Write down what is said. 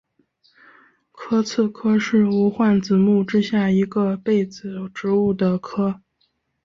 白刺科是无患子目之下一个被子植物的科。